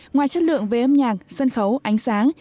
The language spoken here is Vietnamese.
ngoài chất lượng về âm nhạc sân khấu ánh sáng